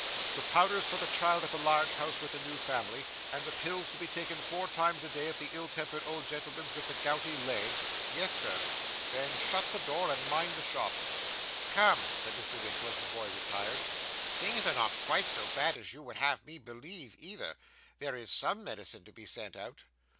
'The powders for the child, at the large house with the new family, and the pills to be taken four times a day at the ill tempered old gentleman's with the gouty leg?' 'Yes, sir.' 'Then shut the door, and mind the shop.' 'Come,' said Mr. Winkle, as the boy retired, 'things are not quite so bad as you would have me believe, either. There is _some _medicine to be sent out.